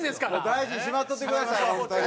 大事にしまっといてください本当に。